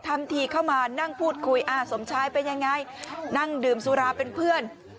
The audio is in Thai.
ทำทีเข้ามานั่งพูดคุยอ่าสมชายเป็นยังไงนั่งดื่มสุราเป็นเพื่อน